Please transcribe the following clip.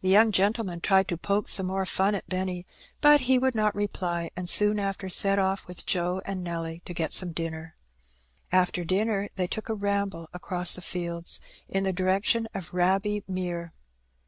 The young gentleman tried to poke some more fim at In the Woods. 105 Benny, but lie would not reply, and soon after set off with Joe and Nelly to get some dinner. After dinner they took a ramble across the fields, in the direction of Raby Mere.